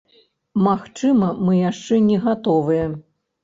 Магчыма, мы яшчэ не гатовыя.